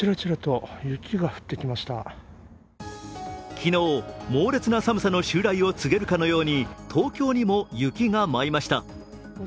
昨日、猛烈な寒さの襲来を告げるかのように東京にも雪が舞いました。